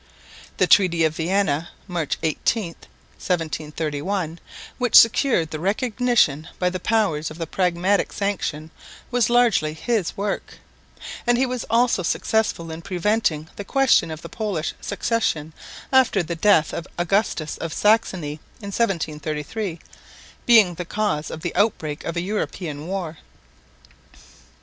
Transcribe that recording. The Treaty of Vienna (March 18,1731), which secured the recognition by the powers of the Pragmatic Sanction, was largely his work; and he was also successful in preventing the question of the Polish succession, after the death of Augustus of Saxony in 1733, being the cause of the outbreak of a European war.